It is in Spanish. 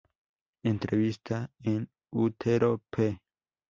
Entrevista en Utero.pe